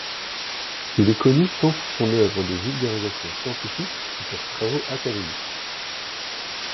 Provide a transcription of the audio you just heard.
Il est connu tant pour son œuvre de vulgarisation scientifique que pour travaux académiques.